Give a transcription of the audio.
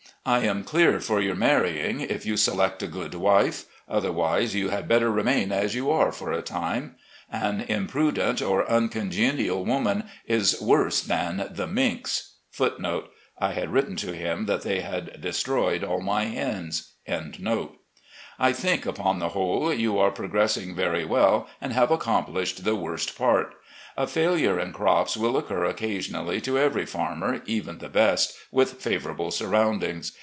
I am clear for your mar rying, if you select a good wife ; otherwise you had better remain as you are for a time. An imprudent or uncon genial woman is worse than the minks *. I think, upon the whole, you are progressing very well and have accom plished the worst part. A failure in crops will occur occa sionally to every farmer, even the best, with favourable surroundings.